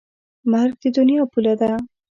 مرګ د دنیا پوله ده.